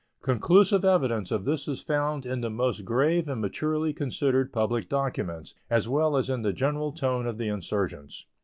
Conclusive evidence of this is found in the most grave and maturely considered public documents, as well as in the general tone of the insurgents.